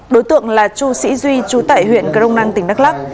đối tượng là chu sĩ duy chú tại huyện crong năng tỉnh đắk lắc